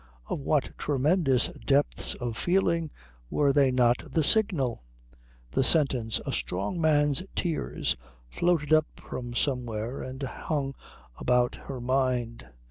Of what tremendous depths of feeling were they not the signal? The sentence, A strong man's tears, floated up from somewhere and hung about her mind.